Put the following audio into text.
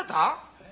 えっ？